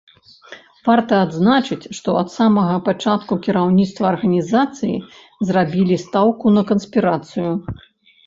Варта адзначыць, што ад самага пачатку кіраўніцтва арганізацыі зрабіла стаўку на канспірацыю.